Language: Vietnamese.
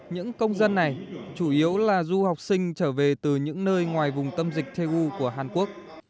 những công dân này chủ yếu là du học sinh trở về từ những nơi ngoài vùng tâm dịch theu của hàn quốc